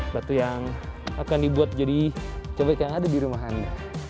batu yang akan dibuat jadi cobek yang ada di rumah anda